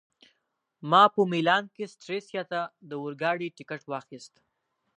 ما په میلان کي سټریسا ته د اورګاډي ټکټ واخیست.